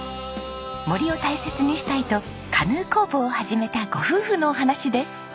森を大切にしたいとカヌー工房を始めたご夫婦のお話です。